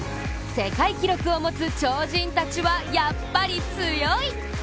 世界記録を持つ超人たちはやっぱり強い。